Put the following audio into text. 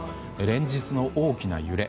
連日の大きな揺れ。